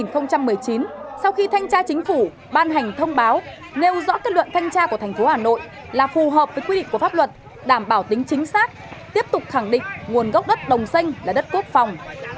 năm hai nghìn một mươi chín sau khi thanh tra chính phủ ban hành thông báo nêu rõ kết luận thanh tra của thành phố hà nội là phù hợp với quy định của pháp luật đảm bảo tính chính xác tiếp tục khẳng định nguồn gốc đất đồng xanh là đất quốc phòng